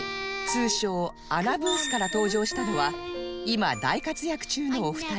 通称アナブースから登場したのは今大活躍中のお二人